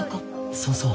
そうそう！